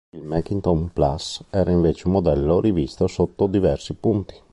Il Macintosh Plus era invece un modello rivisto sotto diversi punti.